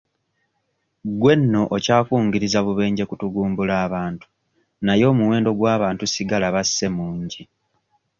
Gwe nno okyakungiriza bubenje mu kutugumbula abantu naye omuwendo gw'abantu ssigala basse mungi.